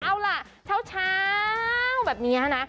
เอาล่ะเช้าแบบนี้นะ